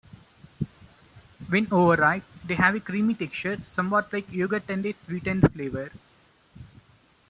When over-ripe, they have a creamy texture somewhat like yogurt and a sweetened flavor.